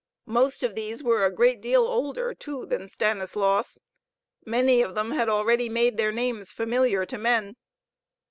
Most of these were a great deal older, too, than Stanislaus. Many of them had already made their names familiar to men.